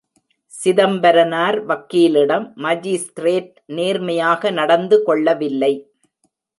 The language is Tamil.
சிதம்பரனார் வக்கீலிடம் மாஜிஸ்திரேட் நேர்மையாக நடந்து கொள்ளவில்லை.